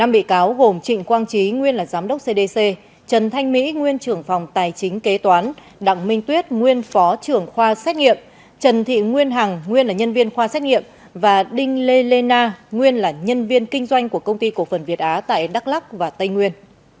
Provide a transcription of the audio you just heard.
năm bị cáo gồm trịnh quang trí nguyên là giám đốc cdc trần thanh mỹ nguyên trưởng phòng tài chính kế toán đặng minh tuyết nguyên phó trưởng khoa xét nghiệm trần thị nguyên hằng nguyên là nhân viên khoa xét nghiệm và đinh lê lê na nguyên là nhân viên kinh doanh của công ty cổ phần việt á tại đắk lắc và tây nguyên